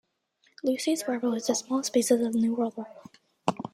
Lucy's warbler is the smallest species of New World warbler.